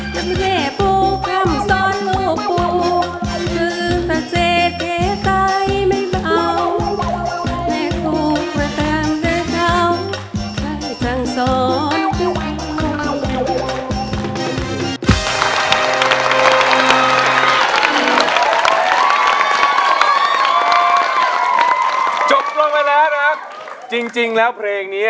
ก็ไม่แผ่ปูคำสอนลูกปูคือพระเจศใครไม่เป็นเอา